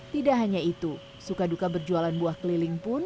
tidak hanya itu suka duka berjualan buah keliling pun